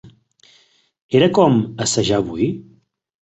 Era com "Assajar avui?"